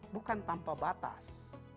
bukan tanpa batas